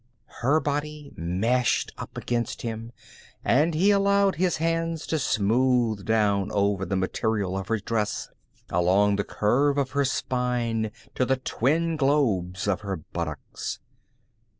Her body mashed up against him and he allowed his hands to smooth down over the material of her dress, along the curve of her spine to the twin globes of her buttocks.